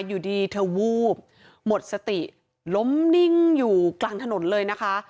อยู่ดีเธอวูบหมดสติล้มนิ่งอยู่กลางถนนเลยนะคะ